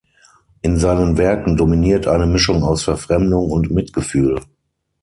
In seinen Werken dominiert eine Mischung aus Verfremdung und Mitgefühl.